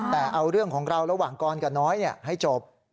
แต่เอาเรื่องของเราระหว่างกรกับน้อยให้จบ